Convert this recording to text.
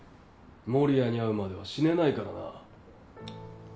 守谷に会うまでは死ねないからな。